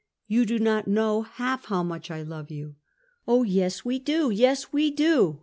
You do not know half how much I love you." " Oh, yes, we do! yes, we do!